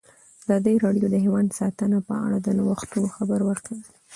ازادي راډیو د حیوان ساتنه په اړه د نوښتونو خبر ورکړی.